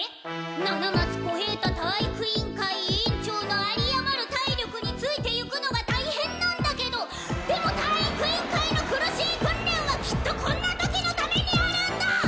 七松小平太体育委員会委員長の有りあまる体力についてゆくのがたいへんなんだけどでも体育委員会の苦しいくんれんはきっとこんな時のためにあるんだ！